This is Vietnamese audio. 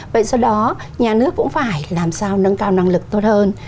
vậy sau đó nhà nước cũng phải làm sao nâng cao năng lực tốt hơn